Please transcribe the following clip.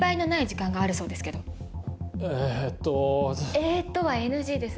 「えっと」はＮＧです。